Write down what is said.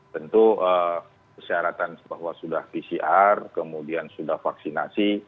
tentu persyaratan bahwa sudah pcr kemudian sudah vaksinasi